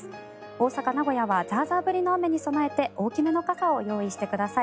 大阪、名古屋はザーザー降りの雨に備えて大きめの傘を用意してください。